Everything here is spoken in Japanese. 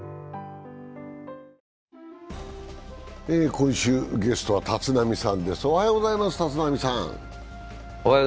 今週、ゲストは立浪さんです